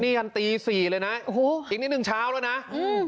นี่ยันตีสี่เลยนะโอ้โหอีกนิดนึงเช้าแล้วนะอืม